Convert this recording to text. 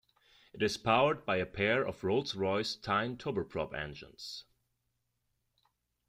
It is powered by a pair of Rolls-Royce Tyne turboprop engines.